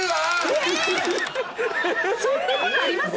そんなことあります